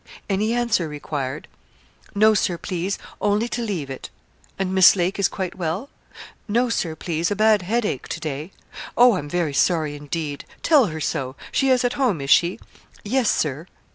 'Any answer required?' 'No, Sir, please only to leave it.' 'And Miss Lake is quite well?' 'No, Sir, please a bad headache to day.' 'Oh! I'm very sorry, indeed. Tell her so. She is at home, is she?' 'Yes, Sir.'